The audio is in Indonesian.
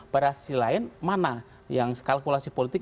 pada sisi lain mana yang skalkulasi politik